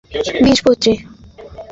বিচি এক বীজপত্রি।